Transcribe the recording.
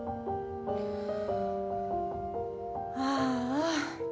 ああ。